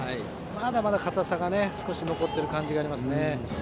まだまだ硬さが残っている感じがしますね。